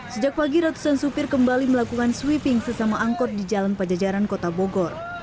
sejak pagi ratusan supir kembali melakukan sweeping sesama angkot di jalan pajajaran kota bogor